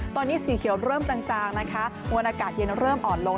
ตอนนี้สีเขียวเริ่มจางนะคะมวลอากาศเย็นเริ่มอ่อนลง